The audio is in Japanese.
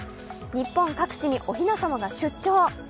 日本各地におひな様が出張。